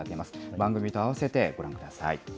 番組と合わせてご覧ください。